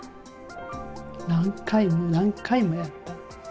何回も何回もやった。